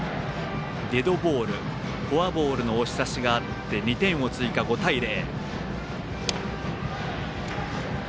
デッドボール、フォアボールの押し出しがあって２点を追加、５対０。